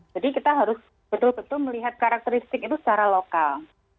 jadi kita harus betul betul melihat karakteristik itu secara lokal